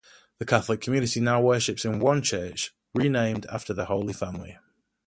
The Catholic community now worships in one church, renamed after the Holy Family.